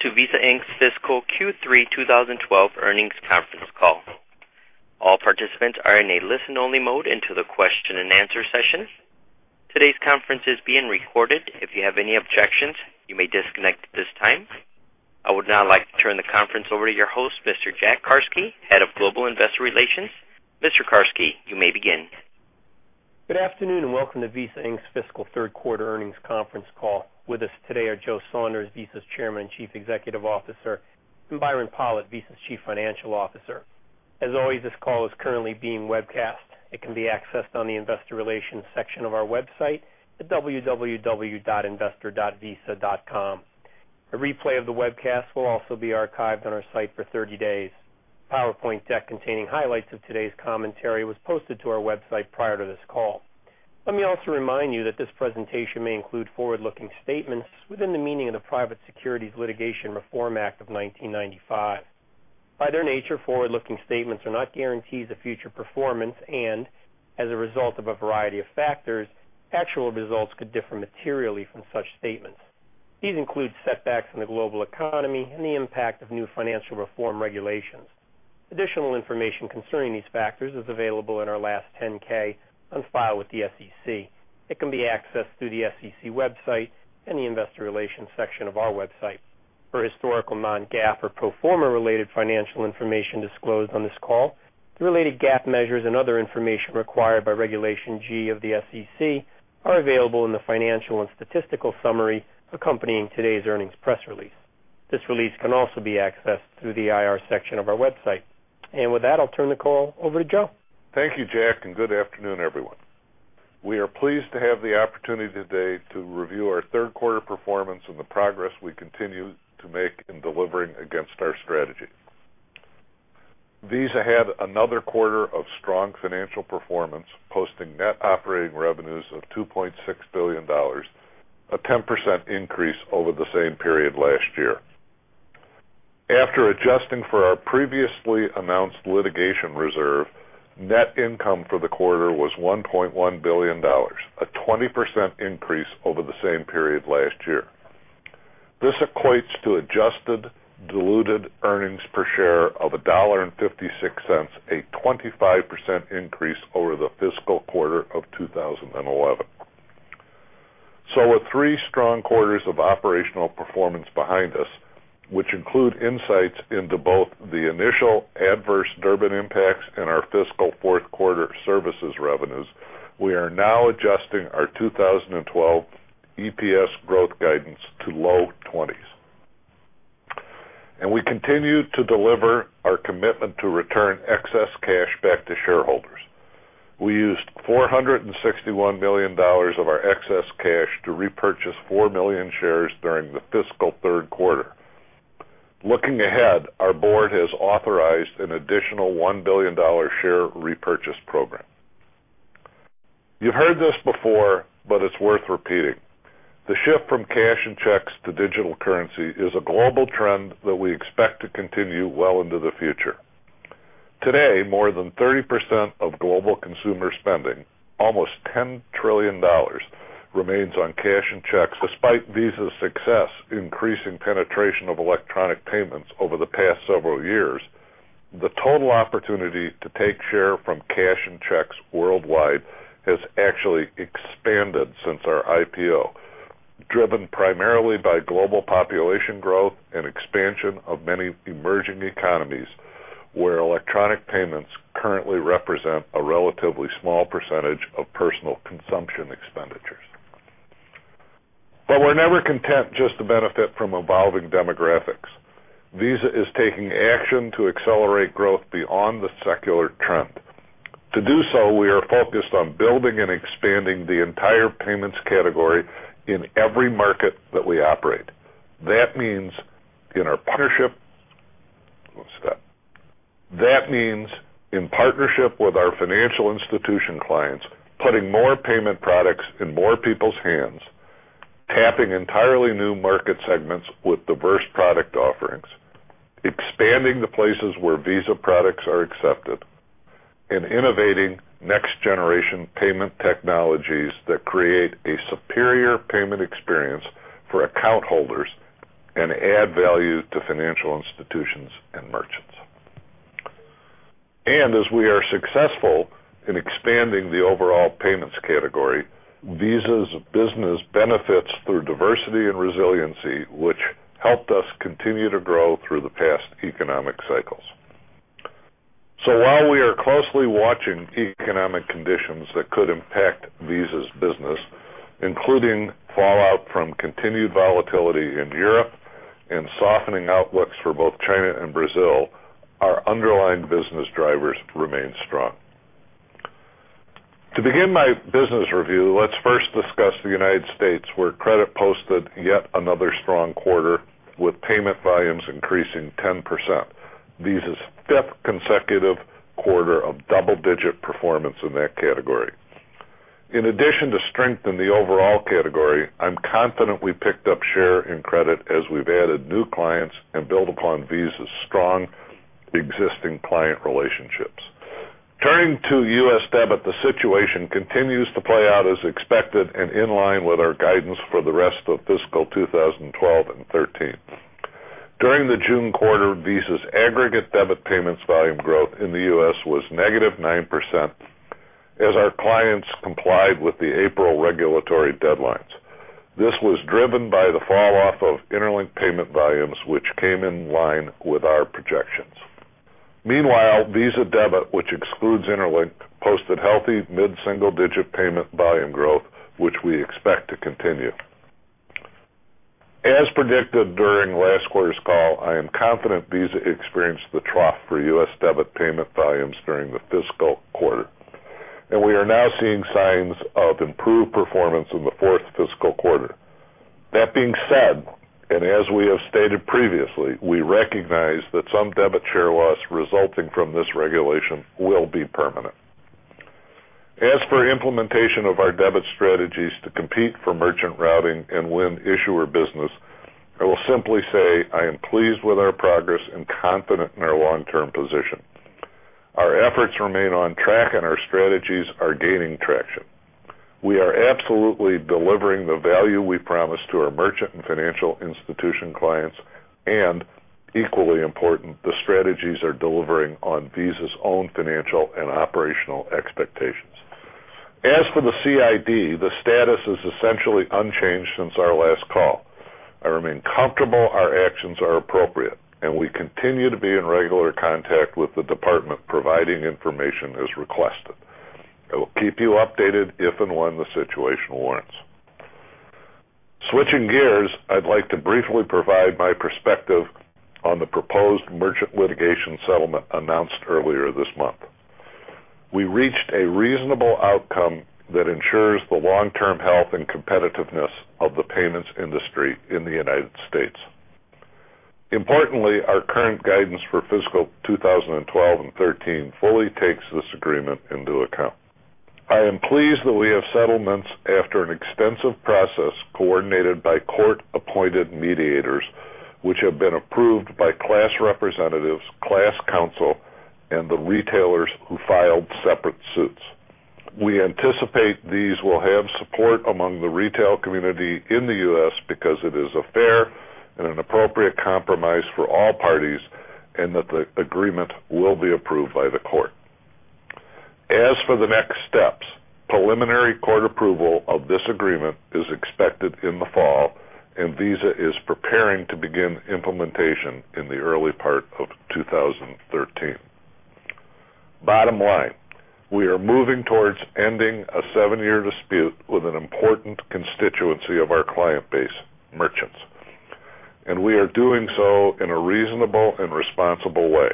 Welcome to Visa Inc.'s fiscal Q3 2012 earnings conference call. All participants are in a listen-only mode until the question and answer session. Today's conference is being recorded. If you have any objections, you may disconnect at this time. I would now like to turn the conference over to your host, Mr. Jack Carsky, Head of Global Investor Relations. Mr. Carsky, you may begin. Good afternoon and welcome to Visa Inc.'s fiscal third quarter earnings conference call. With us today are Joe Saunders, Visa's Chairman and Chief Executive Officer, and Byron Pollitt, Visa's Chief Financial Officer. As always, this call is currently being webcast. It can be accessed on the Investor Relations section of our website at www.investor.visa.com. A replay of the webcast will also be archived on our site for 30 days. PowerPoint deck containing highlights of today's commentary was posted to our website prior to this call. Let me also remind you that this presentation may include forward-looking statements within the meaning of the Private Securities Litigation Reform Act of 1995. By their nature, forward-looking statements are not guarantees of future performance and, as a result of a variety of factors, actual results could differ materially from such statements. These include setbacks in the global economy and the impact of new financial reform regulations. Additional information concerning these factors is available in our last 10-K on file with the SEC. It can be accessed through the SEC website and the Investor Relations section of our website. For historical non-GAAP or pro forma related financial information disclosed on this call, the related GAAP measures and other information required by Regulation G of the SEC are available in the financial and statistical summary accompanying today's earnings press release. This release can also be accessed through the IR section of our website. With that, I'll turn the call over to Joe. Thank you, Jack, and good afternoon, everyone. We are pleased to have the opportunity today to review our third quarter performance and the progress we continue to make in delivering against our strategy. Visa had another quarter of strong financial performance, posting net operating revenues of $2.6 billion, a 10% increase over the same period last year. After adjusting for our previously announced litigation reserve, net income for the quarter was $1.1 billion, a 20% increase over the same period last year. This equates to adjusted diluted earnings per share of $1.56, a 25% increase over the fiscal quarter of 2011. With three strong quarters of operational performance behind us, which include insights into both the initial adverse Durbin impacts and our fiscal fourth quarter services revenues, we are now adjusting our 2012 EPS growth guidance to low 20s. We continue to deliver our commitment to return excess cash back to shareholders. We used $461 million of our excess cash to repurchase 4 million shares during the fiscal third quarter. Looking ahead, our board has authorized an additional $1 billion share repurchase program. You have heard this before, but it is worth repeating. The shift from cash and checks to digital currency is a global trend that we expect to continue well into the future. Today, more than 30% of global consumer spending, almost $10 trillion, remains on cash and checks despite Visa's success increasing penetration of electronic payments over the past several years. The total opportunity to take share from cash and checks worldwide has actually expanded since our IPO, driven primarily by global population growth and expansion of many emerging economies, where electronic payments currently represent a relatively small percentage of personal consumption expenditures. We are never content just to benefit from evolving demographics. Visa is taking action to accelerate growth beyond the secular trend. To do so, we are focused on building and expanding the entire payments category in every market that we operate. That means in partnership with our financial institution clients, putting more payment products in more people's hands, tapping entirely new market segments with diverse product offerings, expanding the places where Visa products are accepted, and innovating next-generation payment technologies that create a superior payment experience for account holders and add value to financial institutions and merchants. As we are successful in expanding the overall payments category, Visa's business benefits through diversity and resiliency, which helped us continue to grow through the past economic cycles. While we are closely watching economic conditions that could impact Visa's business, including fallout from continued volatility in Europe and softening outlooks for both China and Brazil, our underlying business drivers remain strong. To begin my business review, let us first discuss the U.S., where credit posted yet another strong quarter with payment volumes increasing 10%, Visa's fifth consecutive quarter of double-digit performance in that category. In addition to strength in the overall category, I am confident we picked up share in credit as we have added new clients and built upon Visa's strong existing client relationships. Turning to U.S. debit, the situation continues to play out as expected and in line with our guidance for the rest of fiscal 2012 and 2013. During the June quarter, Visa's aggregate debit payments volume growth in the U.S. was negative 9%, as our clients complied with the April regulatory deadlines. This was driven by the fall off of Interlink payment volumes, which came in line with our projections. Meanwhile, Visa Debit, which excludes Interlink, posted healthy mid-single-digit payment volume growth, which we expect to continue. As predicted during last quarter's call, I am confident Visa experienced the trough for U.S. debit payment volumes during the fiscal quarter. We are now seeing signs of improved performance in the fourth fiscal quarter. That being said, as we have stated previously, we recognize that some debit share loss resulting from this regulation will be permanent. As for implementation of our debit strategies to compete for merchant routing and win issuer business, I will simply say, I am pleased with our progress and confident in our long-term position. Our efforts remain on track and our strategies are gaining traction. We are absolutely delivering the value we promised to our merchant and financial institution clients. Equally important, the strategies are delivering on Visa's own financial and operational expectations. As for the CID, the status is essentially unchanged since our last call. I remain comfortable our actions are appropriate. We continue to be in regular contact with the department providing information as requested. I will keep you updated if and when the situation warrants. Switching gears, I'd like to briefly provide my perspective on the proposed merchant litigation settlement announced earlier this month. We reached a reasonable outcome that ensures the long-term health and competitiveness of the payments industry in the United States. Importantly, our current guidance for fiscal 2012 and 2013 fully takes this agreement into account. I am pleased that we have settlements after an extensive process coordinated by court-appointed mediators, which have been approved by class representatives, class counsel, and the retailers who filed separate suits. We anticipate these will have support among the retail community in the U.S. because it is a fair and an appropriate compromise for all parties, and that the agreement will be approved by the court. As for the next steps, preliminary court approval of this agreement is expected in the fall. Visa is preparing to begin implementation in the early part of 2013. Bottom line, we are moving towards ending a seven-year dispute with an important constituency of our client base, merchants. We are doing so in a reasonable and responsible way.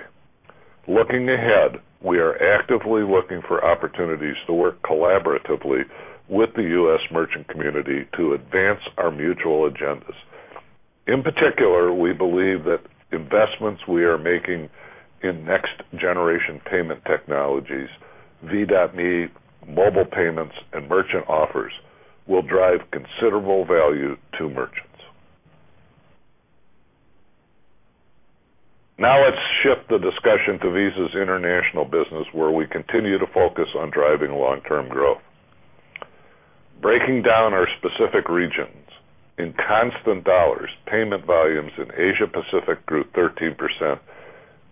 Looking ahead, we are actively looking for opportunities to work collaboratively with the U.S. merchant community to advance our mutual agendas. In particular, we believe that investments we are making in next-generation payment technologies, V.me, mobile payments, and merchant offers will drive considerable value to merchants. Let's shift the discussion to Visa's international business, where we continue to focus on driving long-term growth. Breaking down our specific regions, in constant dollars, payment volumes in Asia Pacific grew 13%,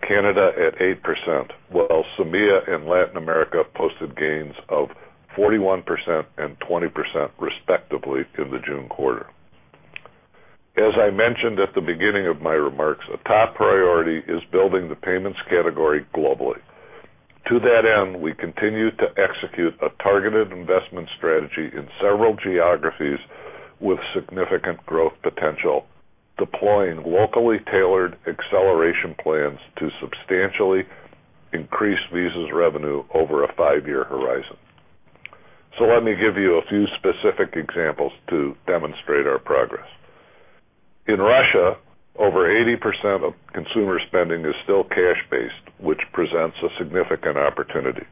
Canada at 8%, while MEA and Latin America posted gains of 41% and 20%, respectively, in the June quarter. As I mentioned at the beginning of my remarks, a top priority is building the payments category globally. To that end, we continue to execute a targeted investment strategy in several geographies with significant growth potential, deploying locally tailored acceleration plans to substantially increase Visa's revenue over a five-year horizon. Let me give you a few specific examples to demonstrate our progress. In Russia, over 80% of consumer spending is still cash-based, which presents a significant opportunity.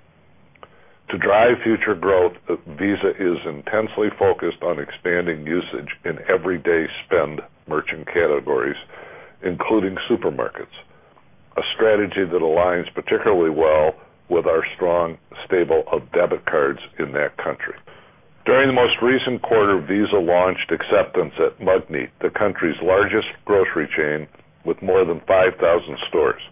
To drive future growth, Visa is intensely focused on expanding usage in everyday spend merchant categories, including supermarkets, a strategy that aligns particularly well with our strong stable of debit cards in that country. During the most recent quarter, Visa launched acceptance at Magnit, the country's largest grocery chain with more than 5,000 stores.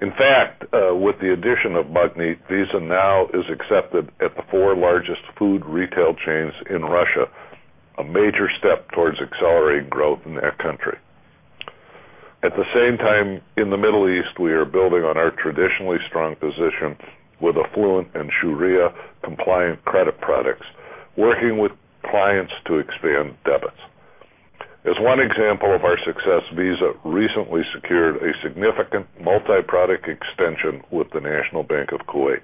In fact, with the addition of Magnit, Visa now is accepted at the four largest food retail chains in Russia, a major step towards accelerating growth in that country. At the same time, in the Middle East, we are building on our traditionally strong position with affluent and Sharia-compliant credit products, working with clients to expand debits. As one example of our success, Visa recently secured a significant multi-product extension with the National Bank of Kuwait.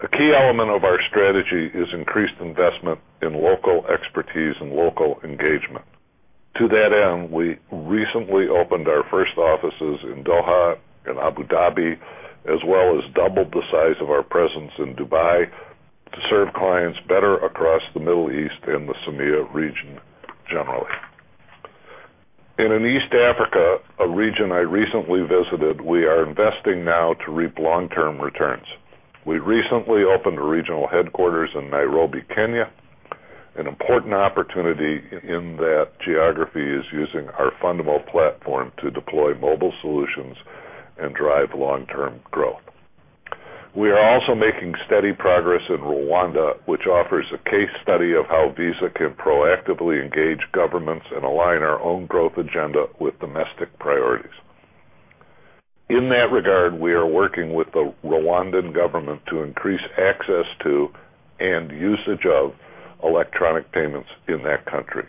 A key element of our strategy is increased investment in local expertise and local engagement. To that end, we recently opened our first offices in Doha and Abu Dhabi, as well as doubled the size of our presence in Dubai to serve clients better across the Middle East and the MEA region generally. In East Africa, a region I recently visited, we are investing now to reap long-term returns. We recently opened a regional headquarters in Nairobi, Kenya. An important opportunity in that geography is using our fundamental platform to deploy mobile solutions and drive long-term growth. We are also making steady progress in Rwanda, which offers a case study of how Visa can proactively engage governments and align our own growth agenda with domestic priorities. In that regard, we are working with the Rwandan government to increase access to and usage of electronic payments in that country.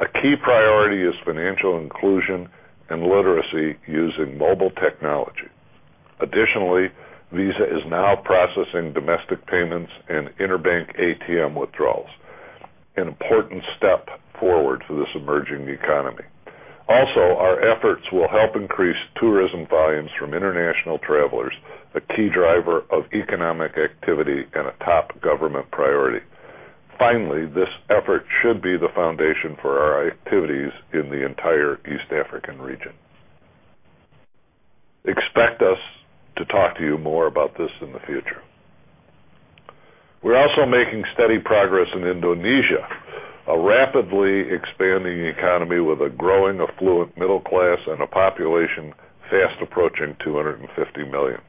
A key priority is financial inclusion and literacy using mobile technology. Additionally, Visa is now processing domestic payments and interbank ATM withdrawals, an important step forward for this emerging economy. Also, our efforts will help increase tourism volumes from international travelers, a key driver of economic activity, and a top government priority. Finally, this effort should be the foundation for our activities in the entire East African region. Expect us to talk to you more about this in the future. We're also making steady progress in Indonesia, a rapidly expanding economy with a growing affluent middle class and a population fast approaching 250 million.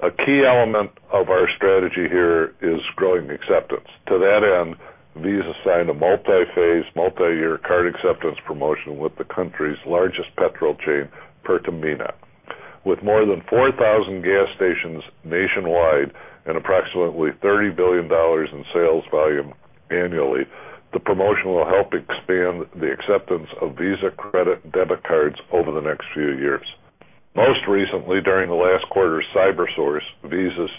A key element of our strategy here is growing acceptance. To that end, Visa signed a multi-phase, multi-year card acceptance promotion with the country's largest petrol chain, Pertamina. With more than 4,000 gas stations nationwide and approximately $30 billion in sales volume annually, the promotion will help expand the acceptance of Visa credit debit cards over the next few years. Most recently, during the last quarter, CyberSource, Visa's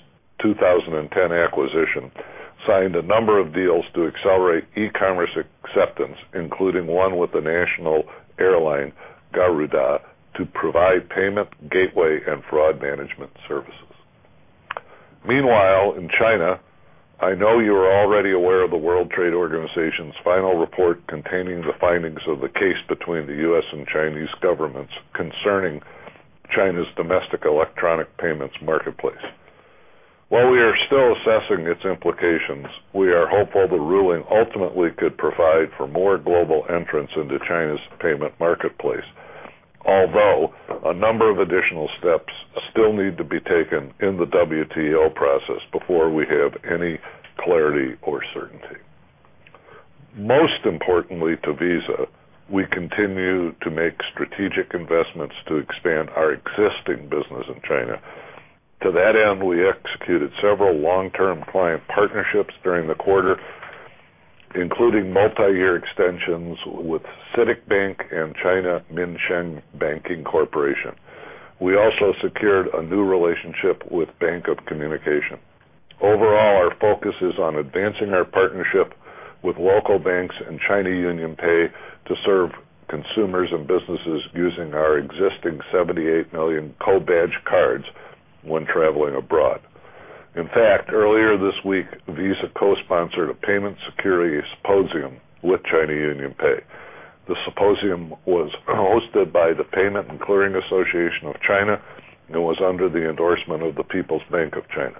2010 acquisition, signed a number of deals to accelerate e-commerce acceptance, including one with the national airline, Garuda, to provide payment gateway and fraud management services. Meanwhile, in China, I know you are already aware of the World Trade Organization's final report containing the findings of the case between the U.S. and Chinese governments concerning China's domestic electronic payments marketplace. While we are still assessing its implications, we are hopeful the ruling ultimately could provide for more global entrants into China's payment marketplace, although a number of additional steps still need to be taken in the WTO process before we have any clarity or certainty. Most importantly to Visa, we continue to make strategic investments to expand our existing business in China. To that end, we executed several long-term client partnerships during the quarter, including multi-year extensions with China CITIC Bank and China Minsheng Banking Corporation. We also secured a new relationship with Bank of Communications. Overall, our focus is on advancing our partnership with local banks and China UnionPay to serve consumers and businesses using our existing 78 million co-badged cards when traveling abroad. In fact, earlier this week, Visa co-sponsored a payment security symposium with China UnionPay. The symposium was hosted by the Payment & Clearing Association of China and was under the endorsement of the People's Bank of China.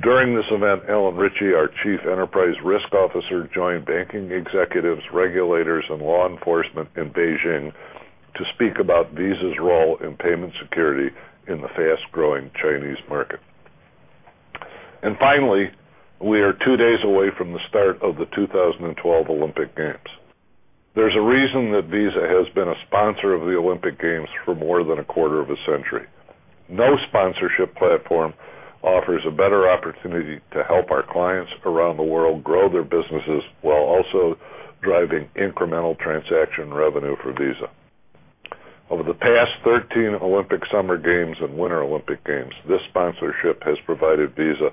During this event, Ellen Richey, our Chief Enterprise Risk Officer, joined banking executives, regulators, and law enforcement in Beijing to speak about Visa's role in payment security in the fast-growing Chinese market. Finally, we are two days away from the start of the 2012 Olympic Games. There's a reason that Visa has been a sponsor of the Olympic Games for more than a quarter of a century. No sponsorship platform offers a better opportunity to help our clients around the world grow their businesses while also driving incremental transaction revenue for Visa. Over the past 13 Olympic Summer Games and Winter Olympic Games, this sponsorship has provided Visa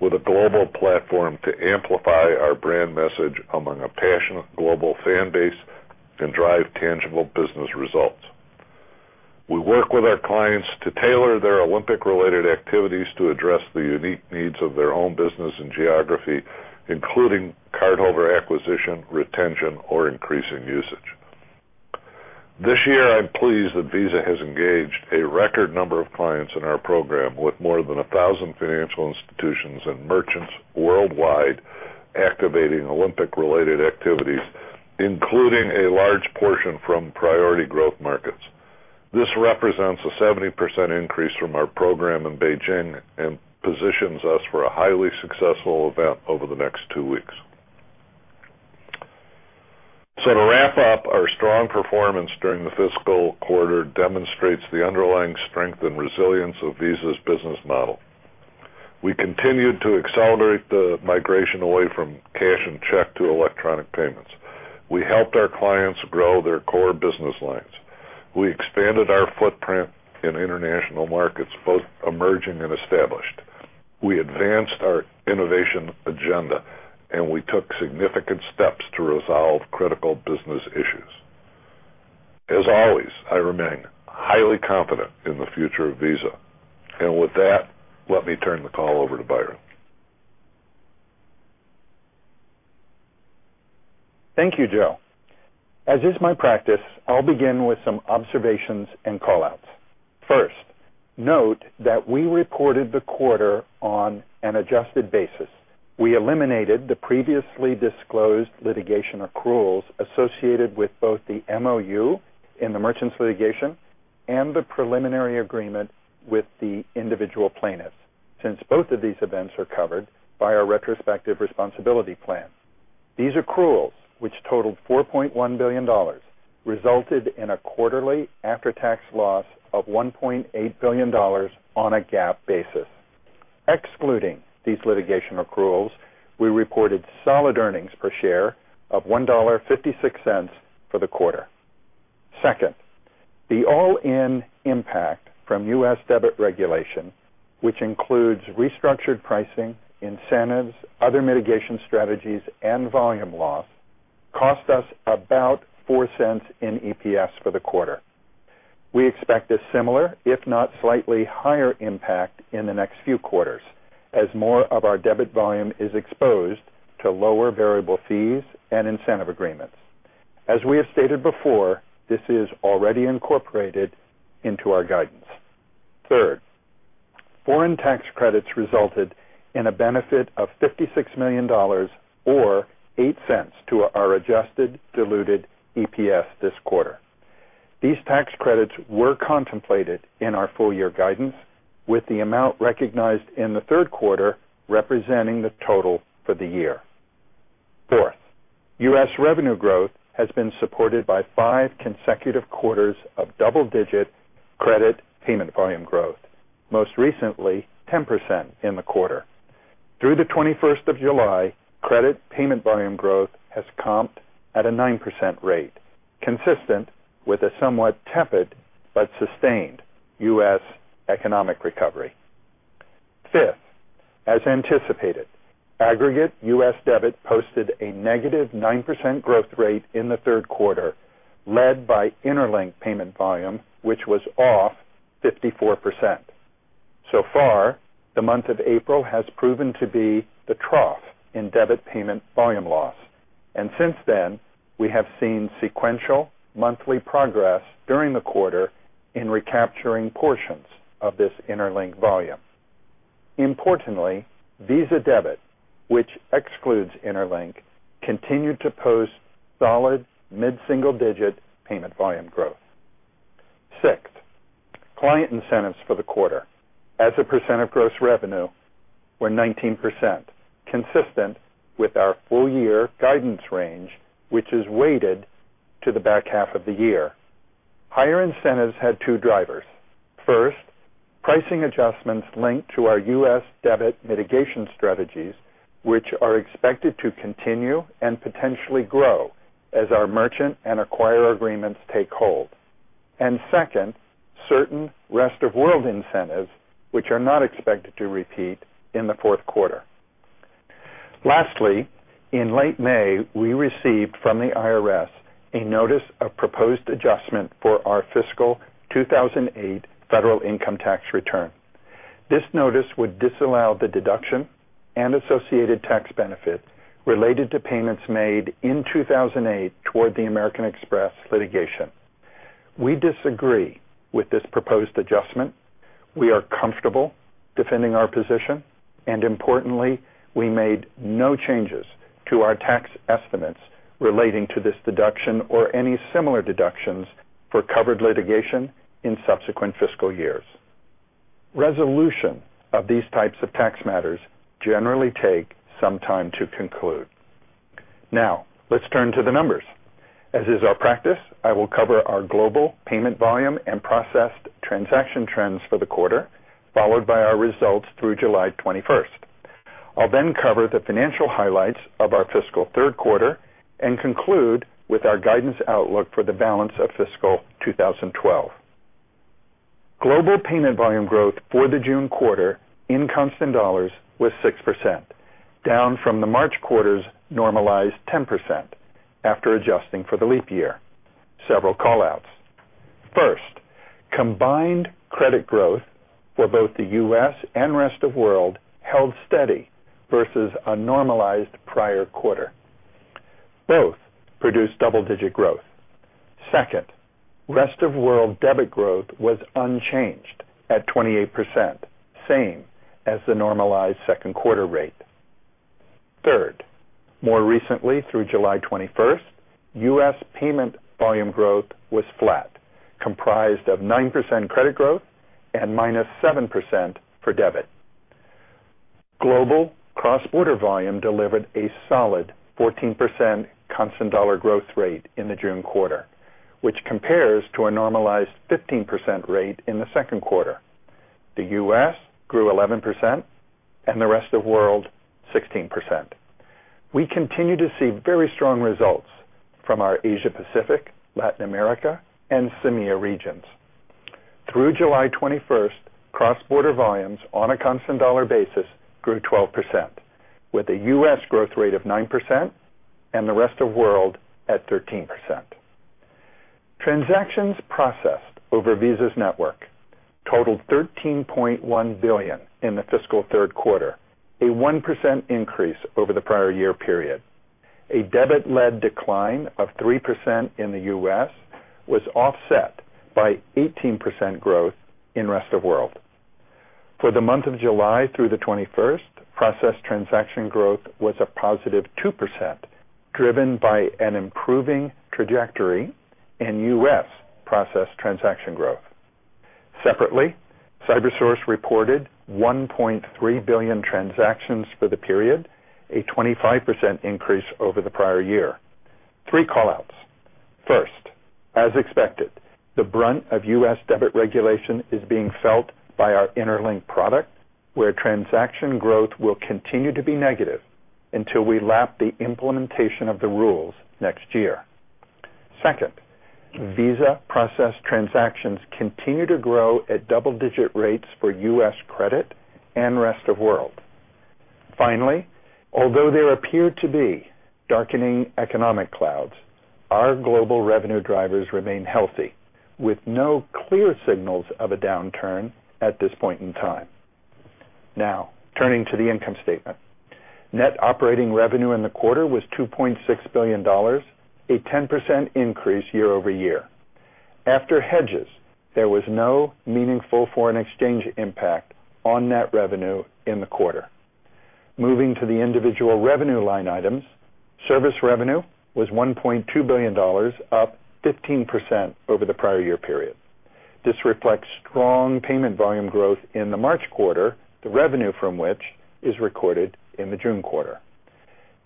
with a global platform to amplify our brand message among a passionate global fan base and drive tangible business results. We work with our clients to tailor their Olympic-related activities to address the unique needs of their own business and geography, including cardholder acquisition, retention, or increasing usage. This year, I'm pleased that Visa has engaged a record number of clients in our program with more than 1,000 financial institutions and merchants worldwide activating Olympic-related activities, including a large portion from priority growth markets. This represents a 70% increase from our program in Beijing and positions us for a highly successful event over the next two weeks. To wrap up, our strong performance during the fiscal quarter demonstrates the underlying strength and resilience of Visa's business model. We continued to accelerate the migration away from cash and check to electronic payments. We helped our clients grow their core business lines. We expanded our footprint in international markets, both emerging and established. We advanced our innovation agenda, and we took significant steps to resolve critical business issues. As always, I remain highly confident in the future of Visa. With that, let me turn the call over to Byron. Thank you, Joe. As is my practice, I'll begin with some observations and call-outs. First, note that we reported the quarter on an adjusted basis. We eliminated the previously disclosed litigation accruals associated with both the MOU in the merchants litigation and the preliminary agreement with the individual plaintiffs, since both of these events are covered by our Retrospective Responsibility Plan. These accruals, which totaled $4.1 billion, resulted in a quarterly after-tax loss of $1.8 billion on a GAAP basis. Excluding these litigation accruals, we reported solid earnings per share of $1.56 for the quarter. Second, the all-in impact from U.S. debit regulation, which includes restructured pricing, incentives, other mitigation strategies, and volume loss, cost us about $0.04 in EPS for the quarter. We expect a similar, if not slightly higher, impact in the next few quarters as more of our debit volume is exposed to lower variable fees and incentive agreements. As we have stated before, this is already incorporated into our guidance. Third, foreign tax credits resulted in a benefit of $56 million, or $0.08 to our adjusted diluted EPS this quarter. These tax credits were contemplated in our full-year guidance, with the amount recognized in the third quarter representing the total for the year. Fourth, U.S. revenue growth has been supported by five consecutive quarters of double-digit credit payment volume growth, most recently 10% in the quarter. Through the 21st of July, credit payment volume growth has comped at a 9% rate, consistent with a somewhat tepid but sustained U.S. economic recovery. Fifth, as anticipated, aggregate U.S. debit posted a negative 9% growth rate in the third quarter, led by Interlink payment volume, which was off 54%. Far, the month of April has proven to be the trough in debit payment volume loss, and since then, we have seen sequential monthly progress during the quarter in recapturing portions of this Interlink volume. Importantly, Visa Debit, which excludes Interlink, continued to post solid mid-single-digit payment volume growth. Sixth, client incentives for the quarter as a percent of gross revenue were 19%, consistent with our full-year guidance range, which is weighted to the back half of the year. Higher incentives had two drivers. First, pricing adjustments linked to our U.S. debit mitigation strategies, which are expected to continue and potentially grow as our merchant and acquirer agreements take hold. Second, certain rest-of-world incentives, which are not expected to repeat in the fourth quarter. Lastly, in late May, we received from the IRS a notice of proposed adjustment for our fiscal 2008 federal income tax return. This notice would disallow the deduction and associated tax benefit related to payments made in 2008 toward the American Express litigation. We disagree with this proposed adjustment. We are comfortable defending our position, and importantly, we made no changes to our tax estimates relating to this deduction or any similar deductions for covered litigation in subsequent fiscal years. Resolution of these types of tax matters generally take some time to conclude. Let's turn to the numbers. As is our practice, I will cover our global payment volume and processed transaction trends for the quarter, followed by our results through July 21st. I'll then cover the financial highlights of our fiscal third quarter and conclude with our guidance outlook for the balance of fiscal 2012. Global payment volume growth for the June quarter in constant dollars was 6%, down from the March quarter's normalized 10%, after adjusting for the leap year. Several call-outs. First, combined credit growth for both the U.S. and rest-of-world held steady versus a normalized prior quarter. Both produced double-digit growth. Second, rest-of-world debit growth was unchanged at 28%, same as the normalized second quarter rate. Third, more recently, through July 21st, U.S. payment volume growth was flat, comprised of 9% credit growth and minus 7% for debit. Global cross-border volume delivered a solid 14% constant dollar growth rate in the June quarter, which compares to a normalized 15% rate in the second quarter. The U.S. grew 11%, and the rest-of-world, 16%. We continue to see very strong results from our Asia Pacific, Latin America, and CEMEA regions. Through July 21st, cross-border volumes on a constant dollar basis grew 12%, with a U.S. growth rate of 9% and the rest of world at 13%. Transactions processed over Visa's network totaled $13.1 billion in the fiscal third quarter, a 1% increase over the prior year period. A debit-led decline of 3% in the U.S. was offset by 18% growth in rest of world. For the month of July through the 21st, processed transaction growth was a positive 2%, driven by an improving trajectory in U.S. processed transaction growth. Separately, CyberSource reported $1.3 billion transactions for the period, a 25% increase over the prior year. Three call-outs. First, as expected, the brunt of U.S. debit regulation is being felt by our Interlink product, where transaction growth will continue to be negative until we lap the implementation of the rules next year. Second, Visa processed transactions continue to grow at double-digit rates for U.S. credit and rest of world. Finally, although there appear to be darkening economic clouds, our global revenue drivers remain healthy, with no clear signals of a downturn at this point in time. Now, turning to the income statement. Net operating revenue in the quarter was $2.6 billion, a 10% increase year-over-year. After hedges, there was no meaningful foreign exchange impact on net revenue in the quarter. Moving to the individual revenue line items, service revenue was $1.2 billion, up 15% over the prior year period. This reflects strong payment volume growth in the March quarter, the revenue from which is recorded in the June quarter.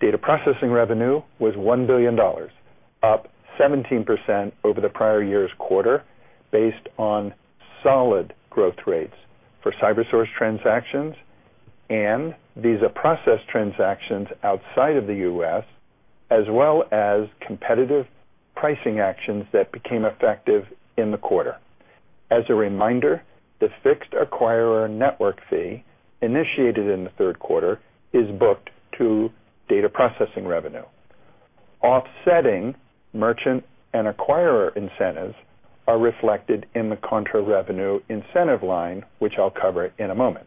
Data processing revenue was $1 billion, up 17% over the prior year's quarter, based on solid growth rates for CyberSource transactions and Visa processed transactions outside of the U.S., as well as competitive pricing actions that became effective in the quarter. As a reminder, the Fixed Acquirer Network Fee initiated in the third quarter is booked to data processing revenue. Offsetting merchant and acquirer incentives are reflected in the contra revenue incentive line, which I'll cover in a moment.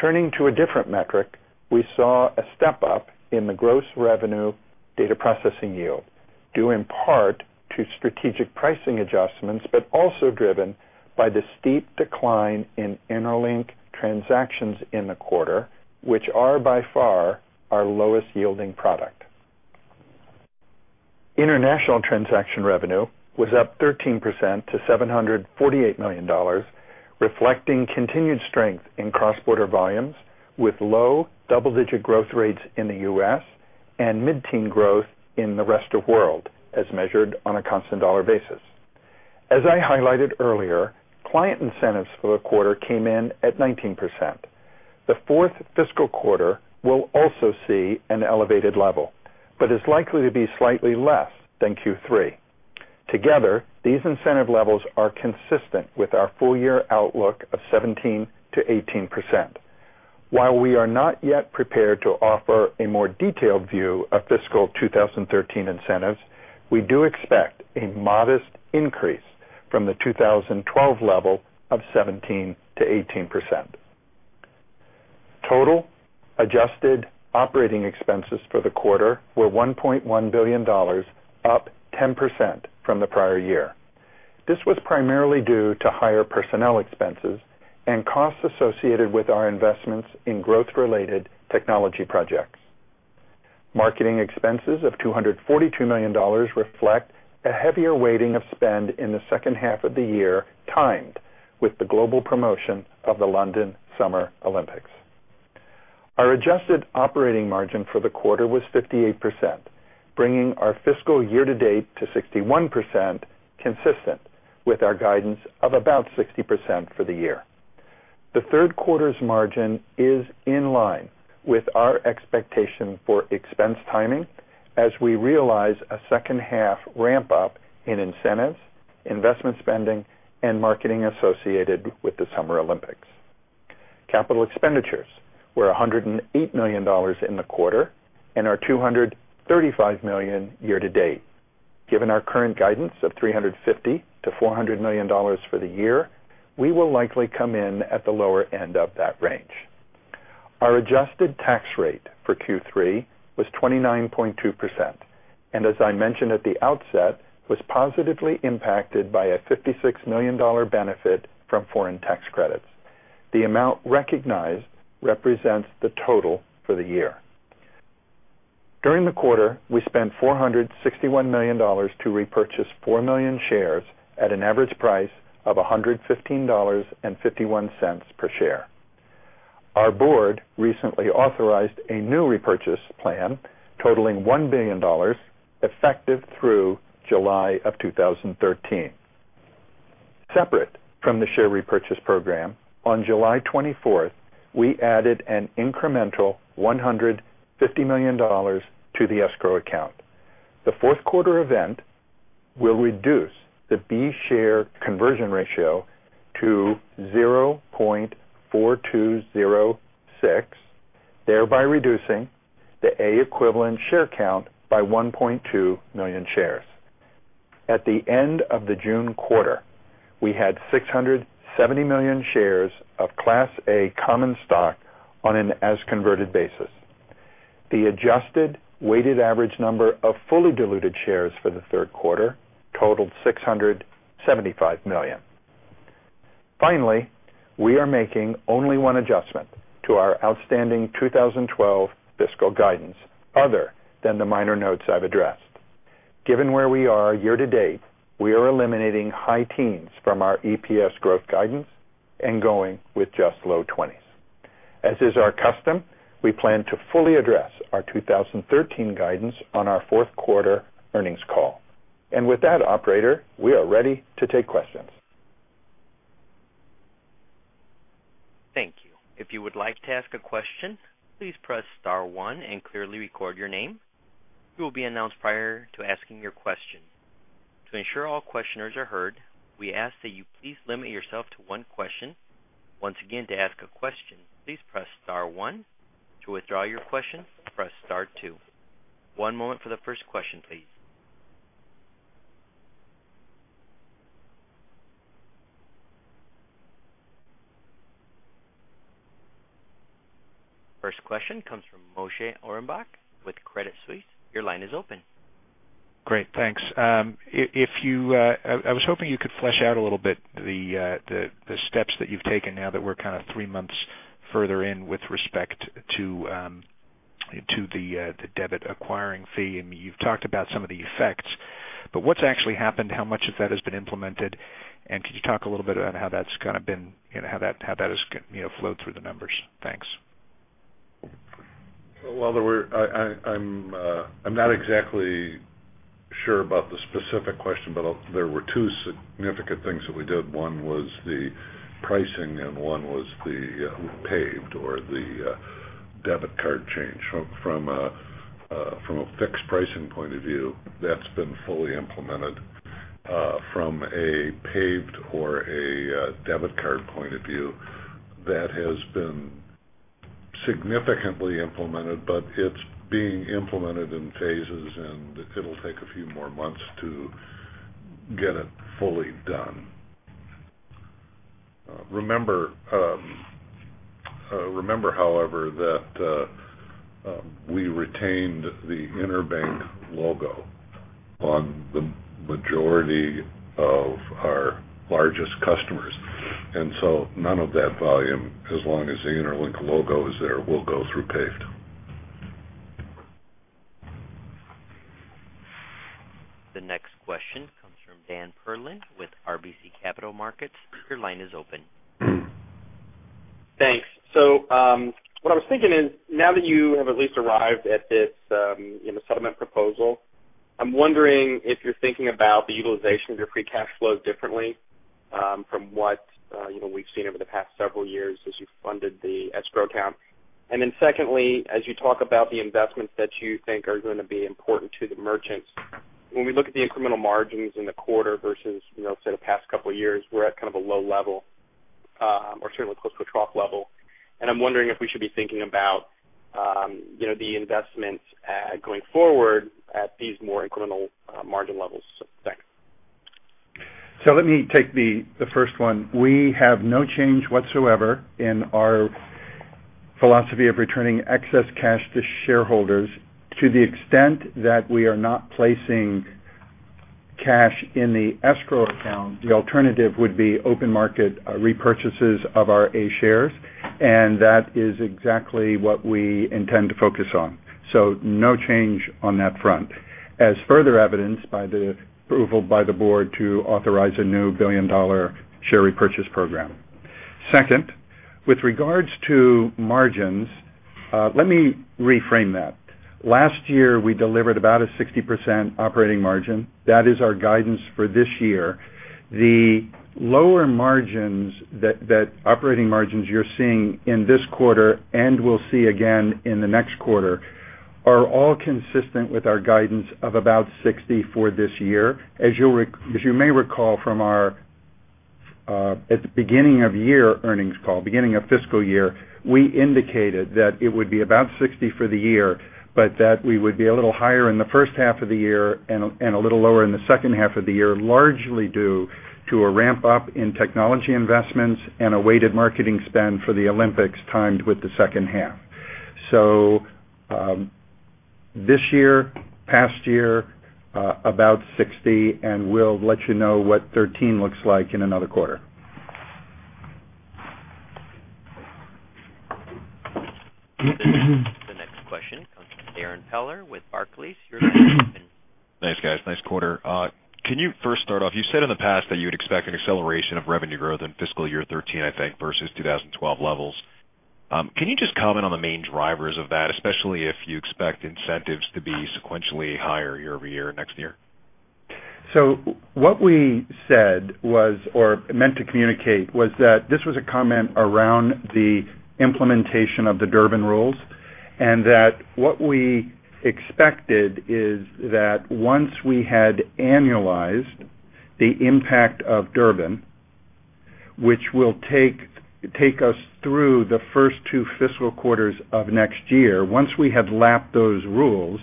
Turning to a different metric, we saw a step-up in the gross revenue data processing yield, due in part to strategic pricing adjustments, but also driven by the steep decline in Interlink transactions in the quarter, which are by far our lowest-yielding product. International transaction revenue was up 13% to $748 million, reflecting continued strength in cross-border volumes, with low double-digit growth rates in the U.S. and mid-teen growth in the rest of world, as measured on a constant dollar basis. As I highlighted earlier, client incentives for the quarter came in at 19%. The fourth fiscal quarter will also see an elevated level, but is likely to be slightly less than Q3. Together, these incentive levels are consistent with our full-year outlook of 17%-18%. While we are not yet prepared to offer a more detailed view of fiscal 2013 incentives, we do expect a modest increase from the 2012 level of 17%-18%. Total adjusted operating expenses for the quarter were $1.1 billion, up 10% from the prior year. This was primarily due to higher personnel expenses and costs associated with our investments in growth-related technology projects. Marketing expenses of $242 million reflect a heavier weighting of spend in the second half of the year, timed with the global promotion of the London Olympic Games. Our adjusted operating margin for the quarter was 58%, bringing our fiscal year-to-date to 61%, consistent with our guidance of about 60% for the year. The third quarter's margin is in line with our expectation for expense timing as we realize a second half ramp-up in incentives, investment spending, and marketing associated with the Olympic Games. Capital expenditures were $108 million in the quarter and are $235 million year-to-date. Given our current guidance of $350 million-$400 million for the year, we will likely come in at the lower end of that range. Our adjusted tax rate for Q3 was 29.2%, and as I mentioned at the outset, was positively impacted by a $56 million benefit from foreign tax credits. The amount recognized represents the total for the year. During the quarter, we spent $461 million to repurchase 4 million shares at an average price of $115.51 per share. Our board recently authorized a new repurchase plan totaling $1 billion, effective through July of 2013. Separate from the share repurchase program, on July 24th, we added an incremental $150 million to the escrow account. The fourth quarter event will reduce the B share conversion ratio to 0.4206 Thereby reducing the A equivalent share count by 1.2 million shares. At the end of the June quarter, we had 670 million shares of Class A common stock on an as converted basis. The adjusted weighted average number of fully diluted shares for the third quarter totaled 675 million. Finally, we are making only one adjustment to our outstanding 2012 fiscal guidance, other than the minor notes I've addressed. Given where we are year to date, we are eliminating high teens from our EPS growth guidance and going with just low 20s. As is our custom, we plan to fully address our 2013 guidance on our fourth quarter earnings call. With that operator, we are ready to take questions. Thank you. If you would like to ask a question, please press star one and clearly record your name. You will be announced prior to asking your question. To ensure all questioners are heard, we ask that you please limit yourself to one question. Once again, to ask a question, please press star one. To withdraw your question, press star two. One moment for the first question, please. First question comes from Moshe Orenbuch with Credit Suisse. Your line is open. Great, thanks. I was hoping you could flesh out a little bit the steps that you've taken now that we're kind of three months further in with respect to the debit acquiring fee. You've talked about some of the effects, but what's actually happened, how much of that has been implemented, and could you talk a little bit about how that has flowed through the numbers? Thanks. I'm not exactly sure about the specific question, but there were two significant things that we did. One was the pricing, and one was the PAVD or the debit card change. From a fixed pricing point of view, that's been fully implemented. From a PAVD or a debit card point of view, that has been significantly implemented, but it's being implemented in phases, and it'll take a few more months to get it fully done. Remember, however, that we retained the Interlink logo on the majority of our largest customers. None of that volume, as long as the Interlink logo is there, will go through PAVD. The next question comes from Dan Perlin with RBC Capital Markets. Your line is open. Thanks. What I was thinking is, now that you have at least arrived at this settlement proposal, I'm wondering if you're thinking about the utilization of your free cash flow differently from what we've seen over the past several years as you funded the escrow account. Secondly, as you talk about the investments that you think are going to be important to the merchants, when we look at the incremental margins in the quarter versus, say, the past couple of years, we're at kind of a low level or certainly close to a trough level. I'm wondering if we should be thinking about the investments going forward at these more incremental margin levels. Thanks. Let me take the first one. We have no change whatsoever in our philosophy of returning excess cash to shareholders. To the extent that we are not placing cash in the escrow account, the alternative would be open market repurchases of our A shares, and that is exactly what we intend to focus on. No change on that front. As further evidenced by the approval by the board to authorize a new billion-dollar share repurchase program. Second, with regards to margins, let me reframe that. Last year, we delivered about a 60% operating margin. That is our guidance for this year. The lower operating margins that you're seeing in this quarter and we'll see again in the next quarter are all consistent with our guidance of about 60% for this year. As you may recall at the beginning of year earnings call, beginning of fiscal year, we indicated that it would be about 60% for the year, but that we would be a little higher in the first half of the year and a little lower in the second half of the year, largely due to a ramp-up in technology investments and a weighted marketing spend for the Olympic Games timed with the second half. This year, past year about 60%, and we'll let you know what 2013 looks like in another quarter. The next question comes from Darrin Peller with Barclays. Your line is open. Thanks, guys. Nice quarter. Can you first start off, you said in the past that you would expect an acceleration of revenue growth in fiscal year 2013, I think, versus 2012 levels. Can you just comment on the main drivers of that, especially if you expect incentives to be sequentially higher year-over-year next year? What we said or meant to communicate was that this was a comment around the implementation of the Durbin rules, and that what we expected is that once we had annualized the impact of Durbin Which will take us through the first two fiscal quarters of next year. Once we have lapped those rules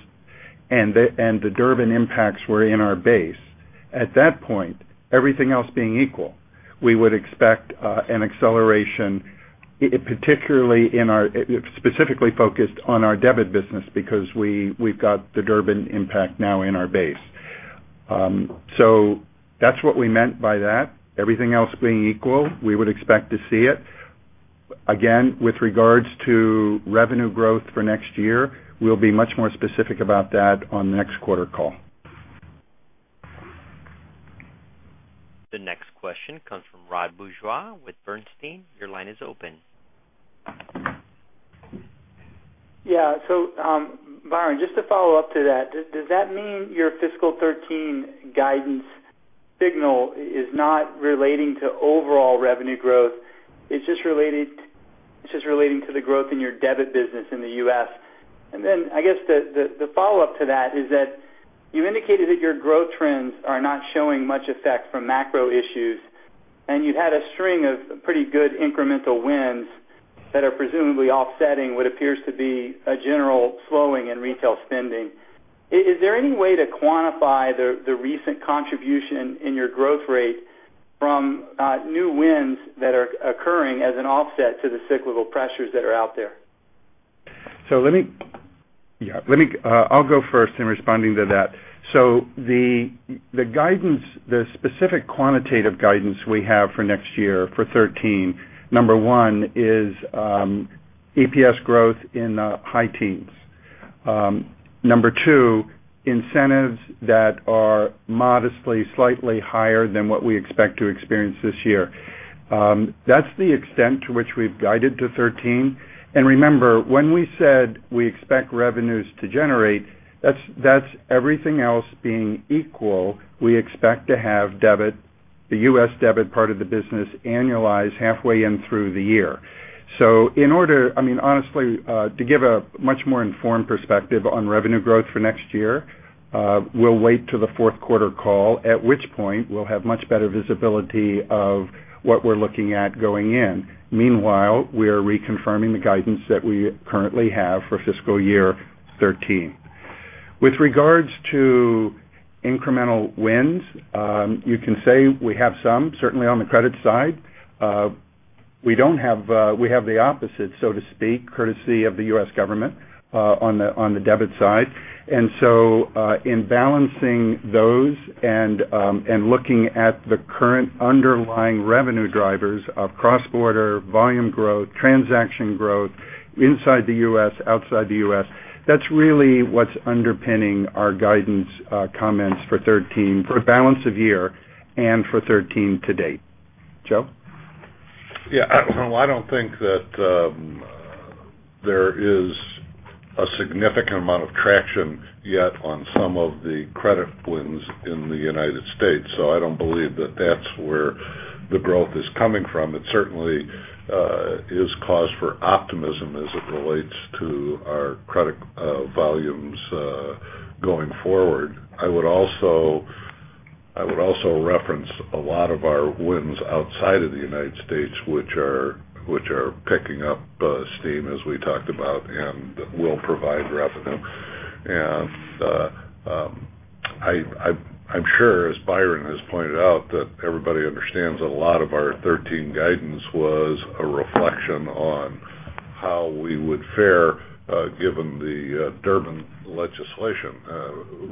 and the Durbin impacts were in our base. At that point, everything else being equal, we would expect an acceleration, specifically focused on our debit business because we've got the Durbin impact now in our base. That's what we meant by that. Everything else being equal, we would expect to see it. Again, with regards to revenue growth for next year, we'll be much more specific about that on the next quarter call. The next question comes from Rod Bourgeois with Bernstein. Your line is open. Yeah. Byron, just to follow up to that, does that mean your fiscal 2013 guidance signal is not relating to overall revenue growth, it's just relating to the growth in your debit business in the U.S.? I guess, the follow-up to that is that you indicated that your growth trends are not showing much effect from macro issues, and you've had a string of pretty good incremental wins that are presumably offsetting what appears to be a general slowing in retail spending. Is there any way to quantify the recent contribution in your growth rate from new wins that are occurring as an offset to the cyclical pressures that are out there? I'll go first in responding to that. The specific quantitative guidance we have for next year, for 2013, number one, is EPS growth in the high teens. Number two, incentives that are modestly slightly higher than what we expect to experience this year. That's the extent to which we've guided to 2013. Remember, when we said we expect revenues to generate, that's everything else being equal, we expect to have the U.S. debit part of the business annualize halfway in through the year. Honestly, to give a much more informed perspective on revenue growth for next year, we'll wait till the fourth quarter call, at which point we'll have much better visibility of what we're looking at going in. Meanwhile, we are reconfirming the guidance that we currently have for fiscal year 2013. With regards to incremental wins, you can say we have some, certainly on the credit side. We have the opposite, so to speak, courtesy of the U.S. government, on the debit side. In balancing those and looking at the current underlying revenue drivers of cross-border volume growth, transaction growth, inside the U.S., outside the U.S., that's really what's underpinning our guidance comments for 2013, for balance of year and for 2013 to date. Joe? Yeah. I don't think that there is a significant amount of traction yet on some of the credit wins in the United States. I don't believe that that's where the growth is coming from. It certainly is cause for optimism as it relates to our credit volumes going forward. I would also reference a lot of our wins outside of the United States, which are picking up steam as we talked about, and will provide revenue. I'm sure, as Byron has pointed out, that everybody understands that a lot of our 2013 guidance was a reflection on how we would fare given the Durbin Amendment.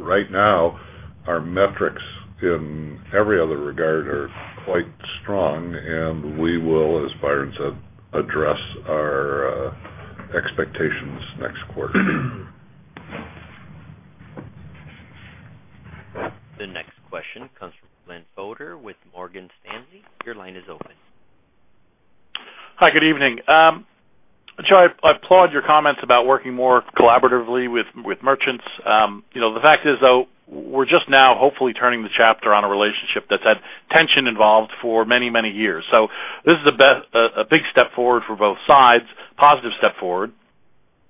Right now, our metrics in every other regard are quite strong, and we will, as Byron said, address our expectations next quarter. The next question comes from Glenn Fodor with Morgan Stanley. Your line is open. Hi, good evening. Joe, I applaud your comments about working more collaboratively with merchants. The fact is, though, we're just now hopefully turning the chapter on a relationship that's had tension involved for many, many years. This is a big step forward for both sides, positive step forward.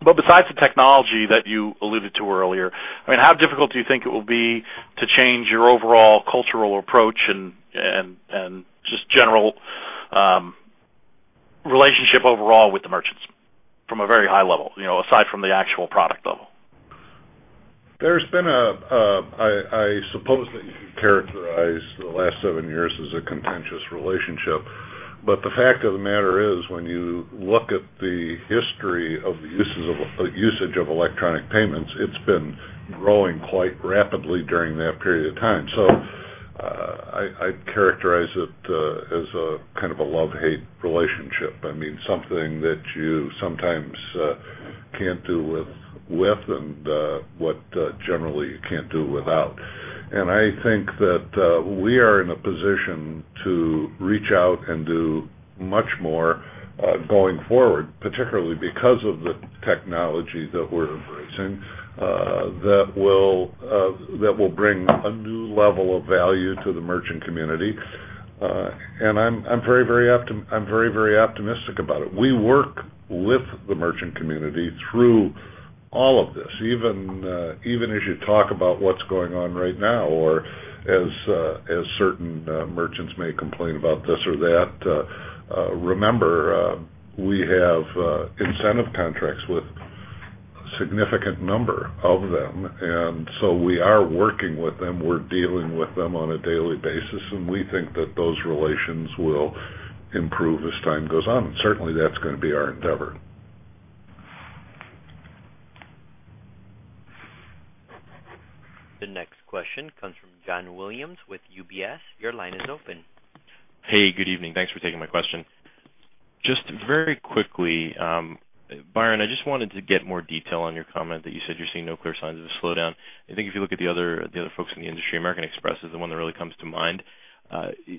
Besides the technology that you alluded to earlier, how difficult do you think it will be to change your overall cultural approach and just general relationship overall with the merchants from a very high level, aside from the actual product level? I suppose that you could characterize the last seven years as a contentious relationship. The fact of the matter is, when you look at the history of the usage of electronic payments, it's been growing quite rapidly during that period of time. I'd characterize it as a kind of a love-hate relationship. Something that you sometimes can't do with and what generally you can't do without. I think that we are in a position to reach out and do much more going forward, particularly because of the technology that we're embracing that will bring a new level of value to the merchant community. I'm very, very optimistic about it. We work with the merchant community through All of this, even as you talk about what's going on right now, or as certain merchants may complain about this or that, remember, we have incentive contracts with a significant number of them. We are working with them. We're dealing with them on a daily basis, and we think that those relations will improve as time goes on. Certainly, that's going to be our endeavor. The next question comes from John Williams with UBS. Your line is open. Hey, good evening. Thanks for taking my question. Just very quickly. Byron, I just wanted to get more detail on your comment that you said you're seeing no clear signs of a slowdown. I think if you look at the other folks in the industry, American Express is the one that really comes to mind. Do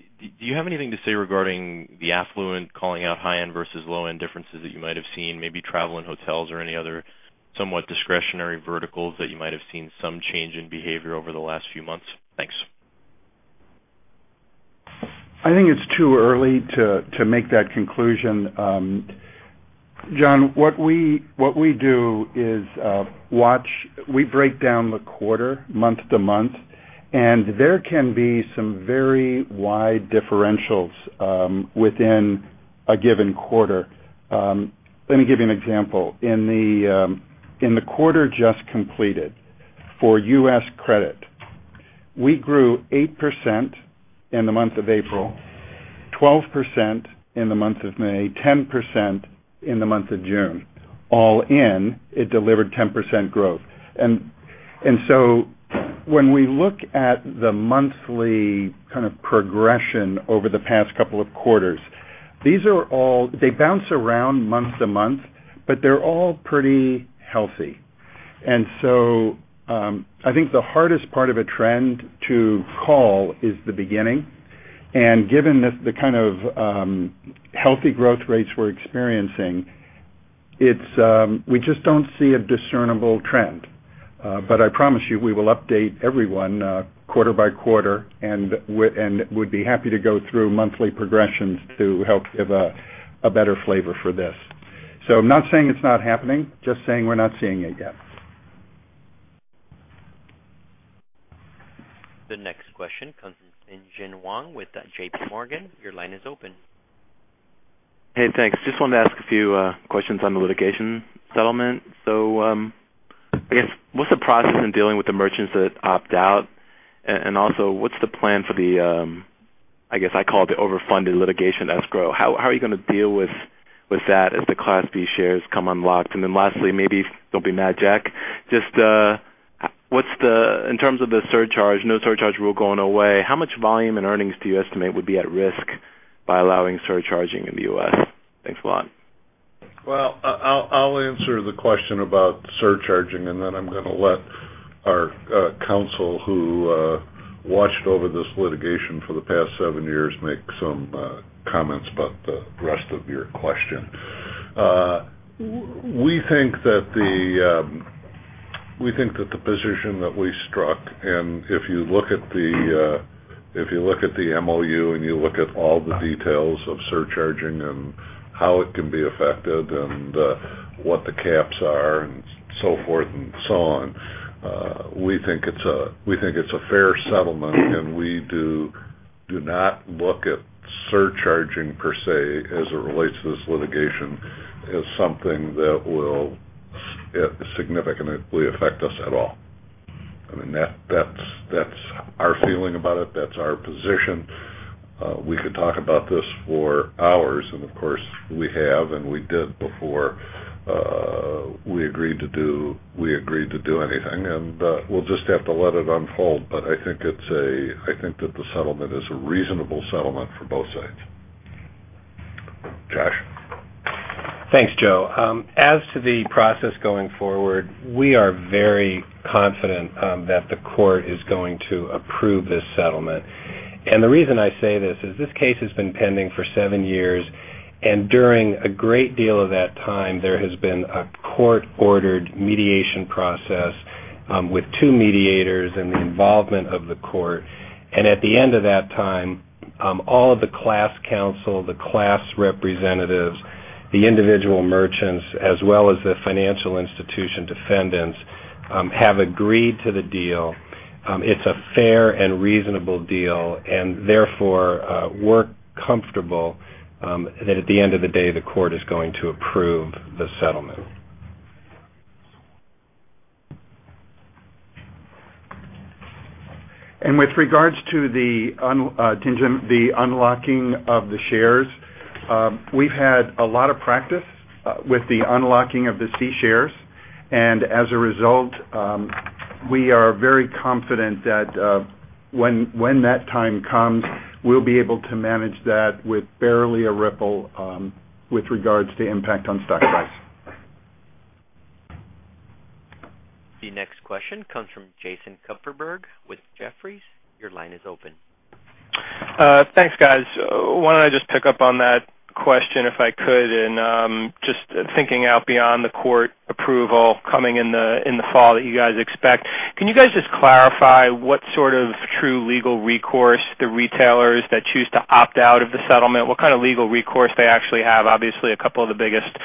you have anything to say regarding the affluent calling out high-end versus low-end differences that you might have seen, maybe travel and hotels or any other somewhat discretionary verticals that you might have seen some change in behavior over the last few months? Thanks. I think it's too early to make that conclusion. John, what we do is we break down the quarter month-to-month, and there can be some very wide differentials within a given quarter. Let me give you an example. In the quarter just completed, for U.S. credit, we grew 8% in the month of April, 12% in the month of May, 10% in the month of June. All in, it delivered 10% growth. When we look at the monthly kind of progression over the past couple of quarters, they bounce around month-to-month, but they're all pretty healthy. I think the hardest part of a trend to call is the beginning. Given the kind of healthy growth rates we're experiencing, we just don't see a discernible trend. I promise you, we will update everyone quarter by quarter and would be happy to go through monthly progressions to help give a better flavor for this. I'm not saying it's not happening, just saying we're not seeing it yet. The next question comes from Tien-tsin Huang with JPMorgan. Your line is open. Hey, thanks. Just wanted to ask a few questions on the litigation settlement. I guess, what's the process in dealing with the merchants that opt out? Also, what's the plan for the, I guess I call it the overfunded litigation escrow. How are you going to deal with that as the Class B shares come unlocked? Lastly, maybe don't be mad, Jack. In terms of the surcharge, no surcharge rule going away, how much volume and earnings do you estimate would be at risk by allowing surcharging in the U.S.? Thanks a lot. I'll answer the question about surcharging, and then I'm going to let our counsel who watched over this litigation for the past seven years make some comments about the rest of your question. We think that the position that we struck, and if you look at the MOU and you look at all the details of surcharging and how it can be affected and what the caps are and so forth and so on, we think it's a fair settlement, and we do not look at surcharging per se as it relates to this litigation as something that will significantly affect us at all. That's our feeling about it. That's our position. We could talk about this for hours, and of course, we have, and we did before we agreed to do anything. We'll just have to let it unfold. I think that the settlement is a reasonable settlement for both sides. Josh? Thanks, Joe. As to the process going forward, we are very confident that the court is going to approve this settlement. The reason I say this is this case has been pending for seven years, and during a great deal of that time, there has been a court-ordered mediation process with two mediators and the involvement of the court. At the end of that time, all of the class counsel, the class representatives, the individual merchants, as well as the financial institution defendants, have agreed to the deal. It's a fair and reasonable deal, and therefore, we're comfortable that at the end of the day, the court is going to approve the settlement. With regards to the unlocking of the shares, we've had a lot of practice with the unlocking of the C shares. As a result, we are very confident that when that time comes, we'll be able to manage that with barely a ripple with regards to impact on stock price. The next question comes from Jason Kupferberg with Jefferies. Your line is open. Thanks, guys. Why don't I just pick up on that question if I could, just thinking out beyond the court approval coming in the fall that you guys expect. Can you guys just clarify what sort of true legal recourse the retailers that choose to opt out of the settlement, what kind of legal recourse they actually have? Obviously, a couple of the biggest